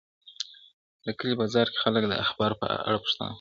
د کلي بازار کي خلک د اخبار په اړه پوښتنه کوي,